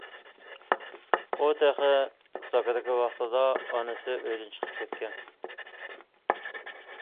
ئۇ تېخى زاكىدىكى ۋاقتىدا ئانىسى ئۆيدىن چىقىپ كەتكەن.